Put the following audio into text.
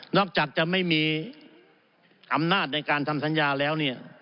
อกจากจะไม่มีอำนาจในการทำสัญญาแล้วเนี่ย